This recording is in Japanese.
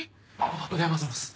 おはようございます。